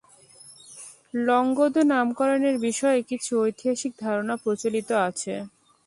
লংগদু নামকরণের বিষয়ে কিছু ঐতিহাসিক ধারণা প্রচলিত আছে।